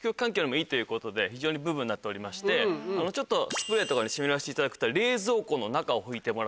非常にブームになっておりましてちょっとスプレーとかで湿らせていただくと。